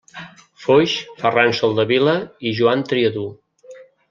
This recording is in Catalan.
Foix, Ferran Soldevila i Joan Triadú.